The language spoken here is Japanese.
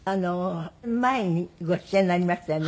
前にご出演なりましたよね。